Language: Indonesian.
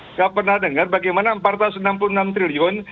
nggak pernah dengar bagaimana rp empat ratus enam puluh enam triliun